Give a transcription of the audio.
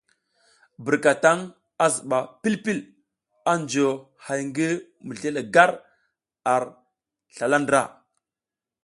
Birkataŋ a zuba pil pil a juyo hay ngi mizli gar ar slala ndra.